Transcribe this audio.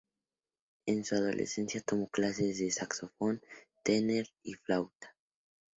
En su adolescencia tomó clases de saxofón tenor y flauta.